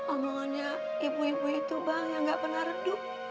omongannya ibu ibu itu bang yang gak pernah redup